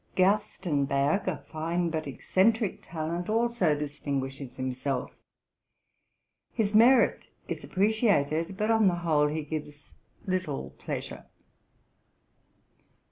Gerstenberg, a fine but eccentric talent, also distinguishes himself: his merit is appreciated, but on the whole he gives little pleasure.